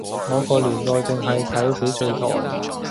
我個年代淨係睇翡翠台